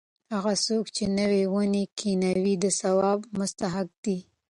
هغه څوک چې نوې ونې کښېنوي د ثواب مستحق دی.